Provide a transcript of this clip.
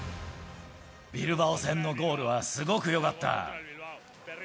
ビルバオ戦のゴールはすごくよかった。